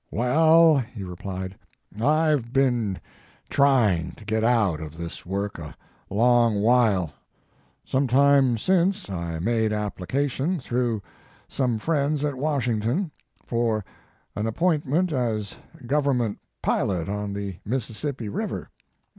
" Well," he replied, "I ve been trying to get out of this work a long while. Sometime since I made application through some friends at Washington, for an appointment as Government pilot on the Mississippi River.